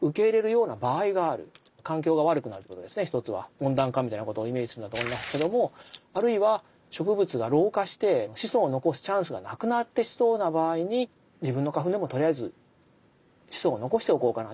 温暖化みたいなことをイメージするんだと思いますけどもあるいは植物が老化して子孫を残すチャンスがなくなってきそうな場合に自分の花粉でもとりあえず子孫を残しておこうかなっていう。